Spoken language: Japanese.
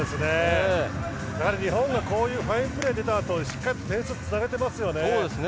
日本が、こういうファインプレーが出たあとしっかりと点数につなげてますよね。